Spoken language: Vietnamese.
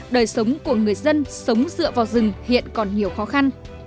đời sống của người dân sống dựa vào rừng hiện còn nhiều khó khăn